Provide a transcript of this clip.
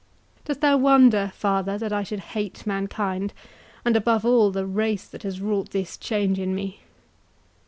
Dost thou wonder, father, that I should hate mankind, and, above all, the race that has wrought this change in me?